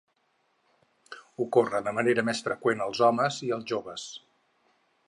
Ocorre de manera més freqüent als homes i als joves.